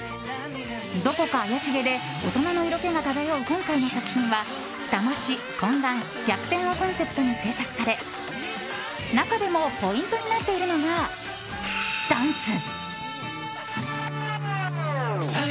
どこか怪しげで大人の色気が漂う今回の作品はだまし、混乱、逆転をコンセプトに制作され中でもポイントとなっているのがダンス！